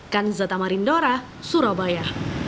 kan zatamarindora surabaya